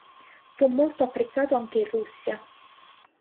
Fu molto apprezzato anche in Russia.